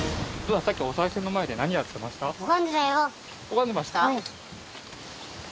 拝んでました？